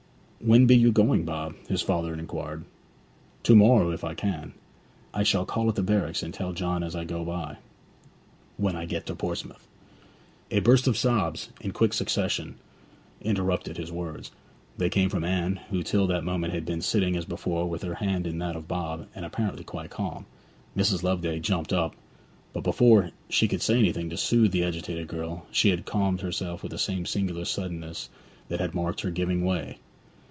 'When be you going, Bob?' his father inquired. 'To morrow, if I can. I shall call at the barracks and tell John as I go by. When I get to Portsmouth ' A burst of sobs in quick succession interrupted his words; they came from Anne, who till that moment had been sitting as before with her hand in that of Bob, and apparently quite calm. Mrs. Loveday jumped up, but before she could say anything to soothe the agitated girl she had calmed herself with the same singular suddenness that had marked her giving way.